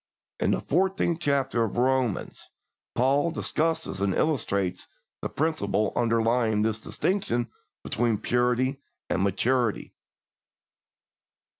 In the fourteenth chapter of Romans, Paul discusses and illustrates the principle underlying this distinction between purity and maturity.